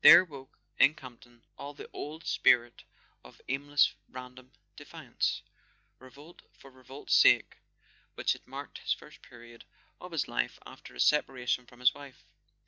There woke in Campton all the old spirit of aimless random defiance—revolt for revolt's sake— which had marked the first period of his life after his separation from his wife.